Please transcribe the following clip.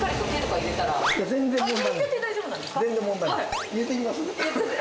入れてみます？え？